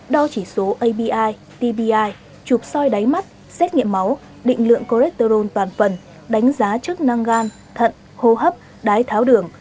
đo chỉ số abi tbi chụp soi đáy mắt xét nghiệm máu định lượng choleterone toàn phần đánh giá chức năng gan thận hô hấp đái tháo đường